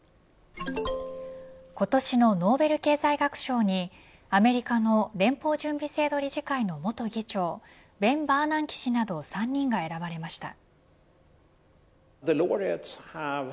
今年のノーベル経済学賞にアメリカの連邦準備制度理事会の元議長ベン・バーナンキ氏など３人が選ばれました。